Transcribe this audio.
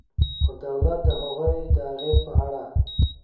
پر دولت د هغوی د اغېزې په اړه.